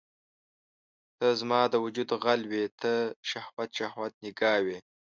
ته زما د وجود غل وې ته شهوت، شهوت نګاه وي